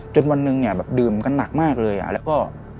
วันหนึ่งเนี่ยแบบดื่มกันหนักมากเลยแล้วก็